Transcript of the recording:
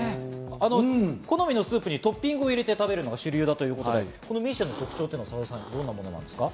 好みのスープにトッピングを入れて食べるのが主流ということでミーシェンの特徴というのはどんなものになりますか？